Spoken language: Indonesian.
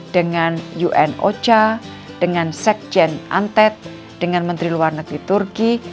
dengan un ocha dengan sekjen antet dengan menteri luar negeri turki